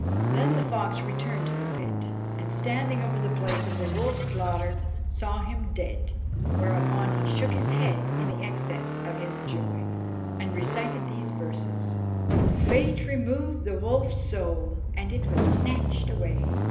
Then the fox returned to the pit, and standing over the place of the wolf's slaughter, saw him dead; whereupon he shook his head in the excess of his joy, and recited these verses "Fate removed the wolf's soul, and it was snatched away.